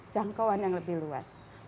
jangkauan yang lebih luas